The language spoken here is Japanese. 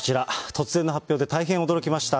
突然の発表で大変驚きました。